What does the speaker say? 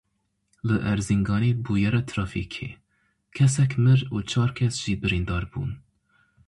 Li Erzînganê bûyera trafîkê, kesek mir û çar kes jî birîndar bûn.